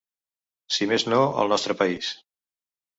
Si més no, al nostre país.